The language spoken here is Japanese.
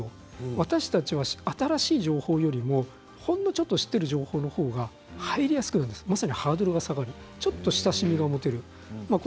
私たちは、新しい情報よりもほんのちょっと知っている情報のほうが入りやすくハードルが下がる親しみが持てる。